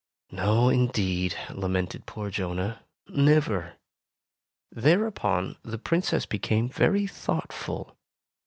"No, indeed," lamented poor Jonah, "never!" Thereupon the Princess became very thoughtful.